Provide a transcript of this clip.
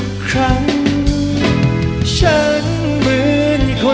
ขอเชิญอาทิตย์สำคัญด้วยค่ะ